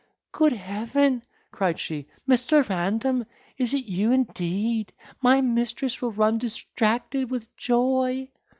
"Good heaven," cried she, "Mr. Random, is it you indeed? My mistress will run distracted with joy."